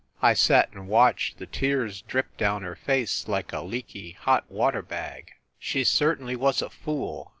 I sat and watched the tears drip down her face like a leaky hot water bag. She certainly was a fool.